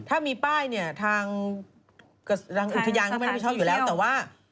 ถ้ามีป้ายเนี่ยทางธุรกิจอุตยานคงไม่รักชอบอยู่แล้วแต่ว่า